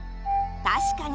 確かに！